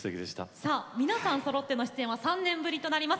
皆さんそろっての出演は３年ぶりとなります。